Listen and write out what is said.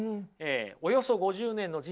およそ５０年の人生